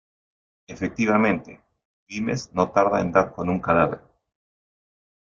Efectivamente, Vimes no tarda en dar con un cadáver...